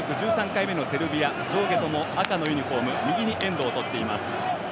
１３回目のセルビア上下とも赤のユニフォーム右にエンドをとっています。